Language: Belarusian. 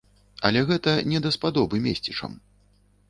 Але гэта не даспадобы месцічам.